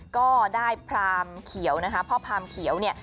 ก็ได้พรามเขียวนะคะพ่อพรามเขียวเนี่ย